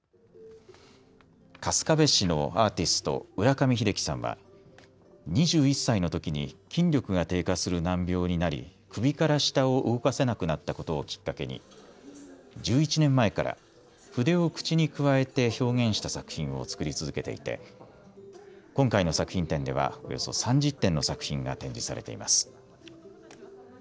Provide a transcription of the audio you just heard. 春日部市のアーティスト、浦上秀樹さんは２１歳のときに筋力が低下する難病になり、首から下を動かせなくなったことをきっかけに１１年前から筆を口にくわえて表現した作品を作り続けていて今回の作品展ではおよそ３０点の作品が展示されています。